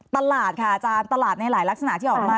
ตลาดค่ะอาจารย์ตลาดในหลายลักษณะที่ออกมา